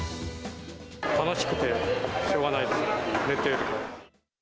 楽しくてしょうがないですね。